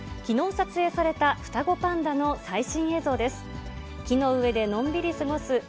きのう撮影された双子パンダの最新映像です。